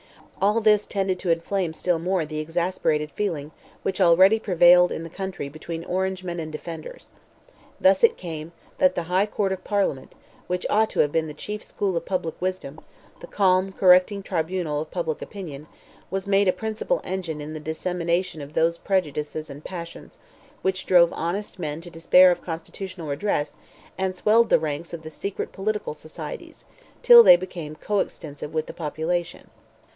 All this tended to inflame still more the exasperated feeling which already prevailed in the country between Orangemen and Defenders. Thus it came, that the High Court of Parliament, which ought to have been the chief school of public wisdom—the calm correcting tribunal of public opinion—was made a principal engine in the dissemination of those prejudices and passions, which drove honest men to despair of constitutional redress, and swelled the ranks of the secret political societies, till they became co extensive with the population.